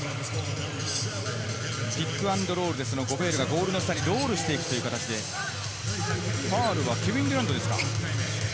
ピックアンドロールでゴベールがゴールの下にロールしていくということで、ファウルはケビンですか？